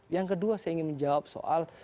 yang kedua saya ingin menjawab soal